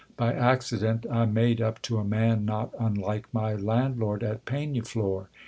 By accident I made up to a man not unlike my landlord at Pegnaflor.